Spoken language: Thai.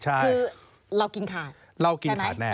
คือเรากินขาดเรากินขาดแน่